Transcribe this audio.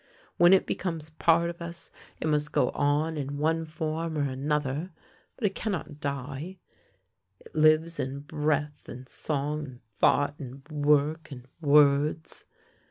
When it becomes part of us, it must go on in one form or another, but it cannot die. It lives in breath, and song, and thought, and work, and words.